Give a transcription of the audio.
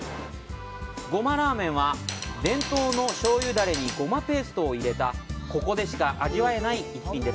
「ごまらーめん」は、伝統の醤油ダレにゴマペーストを入れた、ここでしか味わえない一品。